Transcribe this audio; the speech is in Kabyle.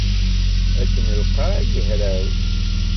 Akken lqay i hraw.